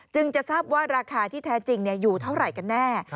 จะทราบว่าราคาที่แท้จริงอยู่เท่าไหร่กันแน่